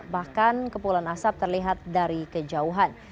bahkan kepulan asap terlihat dari kejauhan